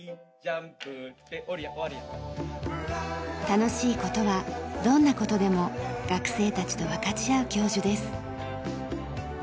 楽しい事はどんな事でも学生たちと分かち合う教授です。